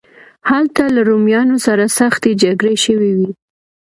هلته له رومیانو سره سختې جګړې شوې وې.